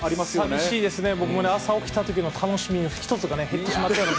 寂しいですよね、僕もね、朝起きたときの楽しみの１つが減ってしまったような。